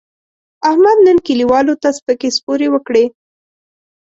احمد نن کلیوالو ته سپکې سپورې وکړې.